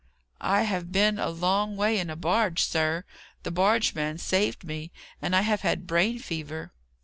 "I have been a long way in a barge, sir. The barge man saved me. And I have had brain fever."